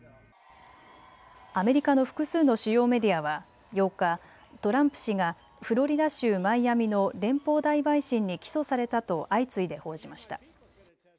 アメリカの複数の主要メディアは８日、トランプ氏がフロリダ州マイアミの連邦大陪審に起訴されたと相次いで報じました。